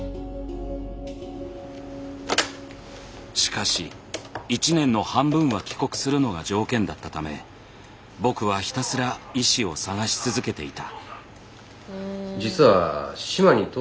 しかし１年の半分は帰国するのが条件だったため僕はひたすら医師を探し続けていた。